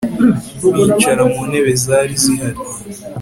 bicara muntebe zari zihari